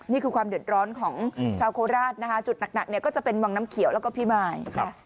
นี่คือความเดือดร้อนของชาวโคราชนะคะจุดหนักเนี่ยก็จะเป็นวังน้ำเขียวแล้วก็พี่มาย